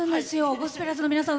ゴスペラーズの皆さん